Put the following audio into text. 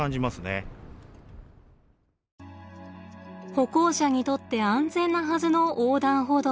歩行者にとって安全なはずの横断歩道。